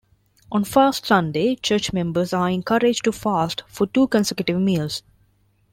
On Fast Sunday, church members are encouraged to fast for two consecutive meals.